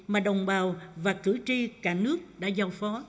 mà đồng bào và cử tri cả nước đã giao phó